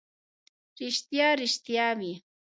ریښتیا، ریښتیا وي.